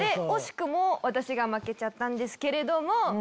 惜しくも私が負けちゃったんですけれども。